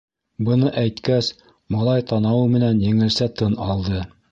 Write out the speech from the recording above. Быны әйткәс, малай танауы менән еңелсә тын алды.